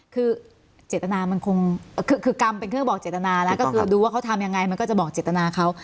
คือเจตนามันคงคือกรรมเป็นเครื่องบอกเจตนาแล้วก็คือดูว่าเขาทำยังไงมันก็จะบอกเจตนาเขา